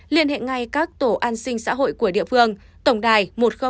liên hệ ngay các tổ an sinh xã hội của địa phương tổng đài một nghìn hai mươi hai